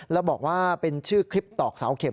แล้วบอกว่าเป็นชื่อคลิปตอกเสาเข็ม